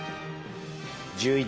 １１。